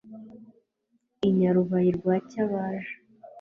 I Nyarubayi rwa Cyabaja.